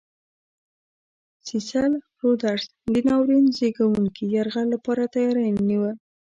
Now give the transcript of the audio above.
سیسل رودز د ناورین زېږوونکي یرغل لپاره تیاری نیوه.